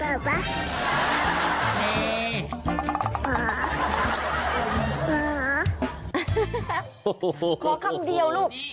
ถามจริงเรียกแม่ได้ไหม